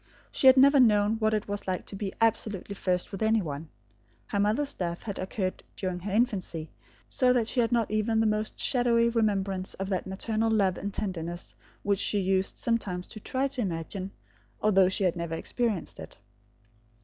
She had never known what it was to be absolutely first with any one. Her mother's death had occurred during her infancy, so that she had not even the most shadowy remembrance of that maternal love and tenderness which she used sometimes to try to imagine, although she had never experienced it.